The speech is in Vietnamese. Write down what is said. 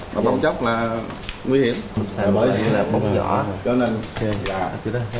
mà bông chóc là nguy hiểm bởi vì là bông vỏ cho nên là